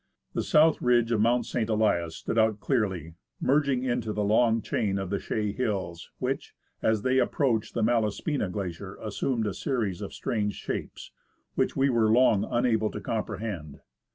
The south ridge of Mount 169 THE ASCENT OF MOUNT ST. ELIAS St. Elias stood out clearly, merging into the long chain of the Chaix Hills, which, as they approached the Malaspina Glacier, assumed a series of strange shapes, which we were long unable to comprehend.